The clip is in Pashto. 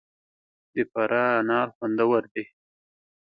د فراه انار خوندور دي